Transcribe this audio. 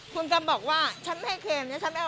คุณกำบอกว่าฉันไม่ให้เครมฉันไม่เอา